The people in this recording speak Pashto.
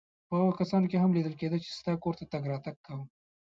په هغو کسانو کې هم لیدل کېده چا ستا کور ته تګ راتګ کاوه.